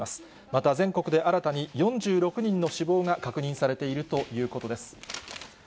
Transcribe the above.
また、全国で新たに４６人の死亡が確認されているということです。